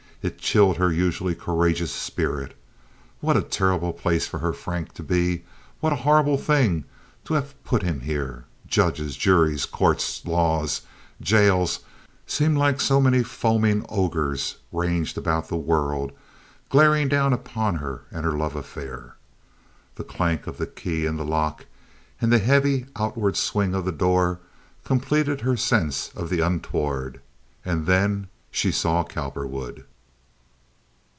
It chilled her usually courageous spirit. What a terrible place for her Frank to be! What a horrible thing to have put him here! Judges, juries, courts, laws, jails seemed like so many foaming ogres ranged about the world, glaring down upon her and her love affair. The clank of the key in the lock, and the heavy outward swinging of the door, completed her sense of the untoward. And then she saw Cowperwood.